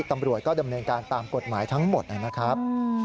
ตำรวจก็ดำเนินการตามกฎหมายทั้งหมดนะครับ